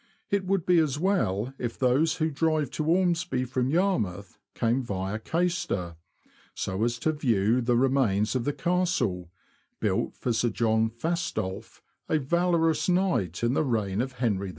It would be as well if those who drive to Ormsby from Yarmouth came via Caister, so as to view the remains of the Castle, built for Sir John Fastolfe, a valorous knight in the reign of Henry V.